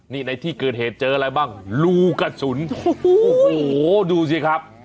นี่ในที่เกิดเหตุเจออะไรบ้างรูกระสุนโอ้โหดูสิครับ